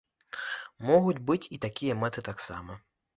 Могуць быць і такія мэты таксама.